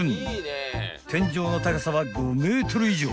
［天井の高さは５ｍ以上］